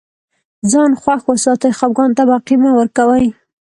ځان خوښ وساتئ خفګان ته موقع مه ورکوی